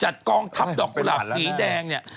กองทัพดอกกุหลาบสีแดงเนี่ย